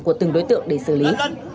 của từng đối tượng để xử lý